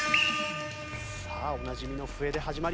さあおなじみの笛で始まりました。